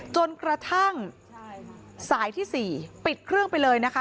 จนกระทั่งสายที่๔ปิดเครื่องไปเลยนะคะ